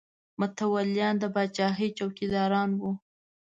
متولیان د پاچاهۍ څوکیداران وو.